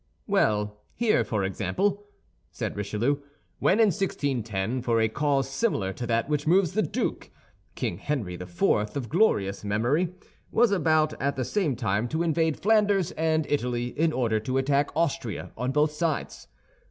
"Well, here, for example," said Richelieu: "when, in 1610, for a cause similar to that which moves the duke, King Henry IV., of glorious memory, was about, at the same time, to invade Flanders and Italy, in order to attack Austria on both sides.